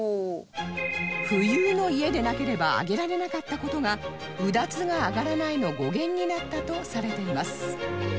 富裕の家でなければ上げられなかった事が「うだつが上がらない」の語源になったとされています